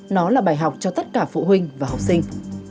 nó là bài học cho tất cả phụ huynh và học sinh